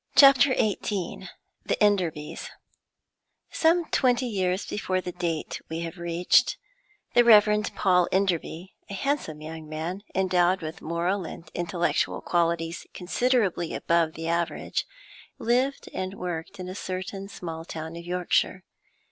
CHAPTER XVIII THE ENDERBYS Some twenty years before the date we have reached, the Rev. Paul Enderby, a handsome young man, endowed with moral and intellectual qualities considerably above the average, lived and worked in a certain small town of Yorkshire.